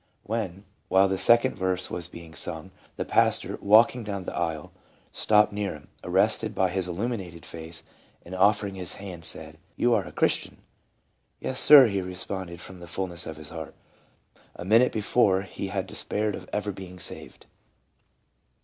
When, while the second verse was being sung, the pastor, walking down the aisle, stopped near him, arrested by his illumined face — and offering his hand said, "You are a Christian "—" Yes, sir," he responded from the fullness of his heart ; a minute before he had despaired of ever being saved.